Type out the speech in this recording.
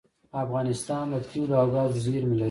افغانستان د تیلو او ګازو زیرمې لري